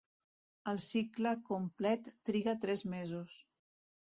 El cicle complet triga tres mesos.